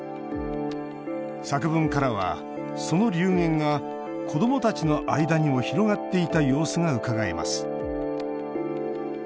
作文からは、その流言が子どもたちの間にも広がっていた様子がうかがえます